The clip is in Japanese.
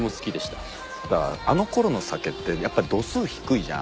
ただあのころの酒ってやっぱ度数低いじゃん。